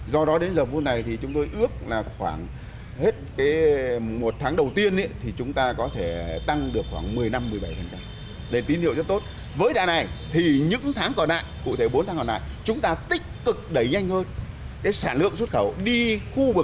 sản lượng xuất khẩu đi khu vực thị trường châu âu